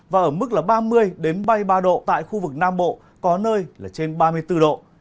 và ở mức là ba mươi ba mươi ba độ tại khu vực nam bộ có nơi là trên ba mươi bốn độ